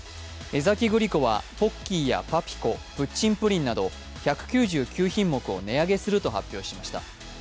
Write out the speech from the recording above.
江崎グリコはポッキーやパピコ、プッチンプリンなど１９９品目を値上げすると発表しました。